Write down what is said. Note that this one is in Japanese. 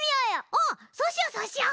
おそうしようそうしよう！